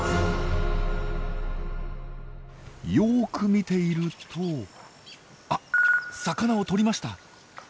よく見ているとあっ魚をとりました！